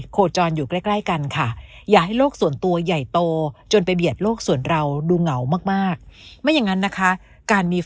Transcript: โคจรอยู่ใกล้กันค่ะ